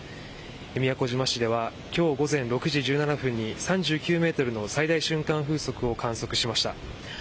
宮古島市では今日午前６時１７分に３９メートルの最大瞬間風速を観測しました。